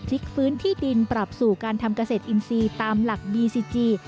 ฟื้นที่ดินปรับสู่การทำเกษตรอินทรีย์ตามหลักบีซีจี